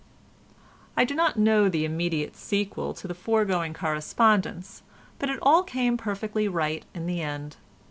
I do not know the immediate sequel to the foregoing correspondence, but it all came perfectly right in the end.